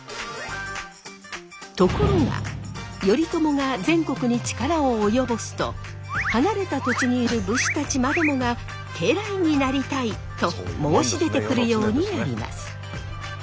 ところが頼朝が全国に力を及ぼすと離れた土地にいる武士たちまでもが家来になりたい！と申し出てくるようになります。